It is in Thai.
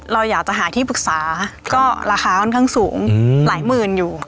เราอยากจะหาที่ปรึกษาก็ราคาค่อนข้างสูงหลายหมื่นอยู่